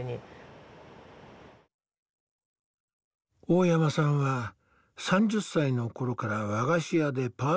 大山さんは３０歳の頃から和菓子屋でパートを始めた。